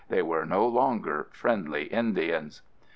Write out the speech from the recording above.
They were no longer "friendly Indians."